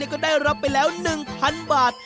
ก็ได้รับไปแล้ว๑๐๐๐บาท